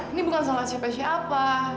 ini bukan salah siapa